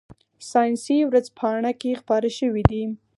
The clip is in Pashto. ساینسي ورځپاڼه کې خپاره شوي دي.